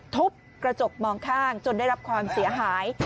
ทุบกระจกมองข้างจนได้รับความเสียหาย